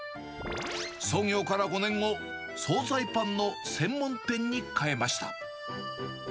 創業から５年後、総菜パンの専門店に変えました。